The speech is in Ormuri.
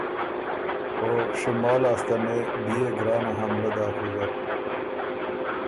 او شمال لاسته نې بيې ګرانه حملۀ داک ویزر